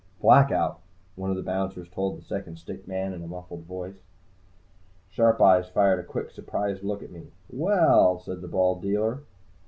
"Blackout!" one of the bouncers told the second stick man in a muffled voice. Sharp eyes fired a quick, surprised look at me. "Well," said the bald dealer.